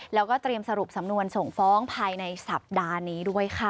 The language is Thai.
แล้วก็เตรียมสรุปสำนวนส่งฟ้องภายในสัปดาห์นี้ด้วยค่ะ